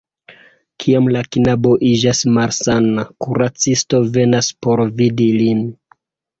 Kiam la knabo iĝas malsana, kuracisto venas por vidi lin.